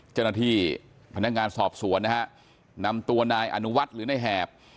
เจ้าหน้าที่พนักงานสอบสวนนะฮะนำตัวนายอนุวัฒน์หรือนายแหบ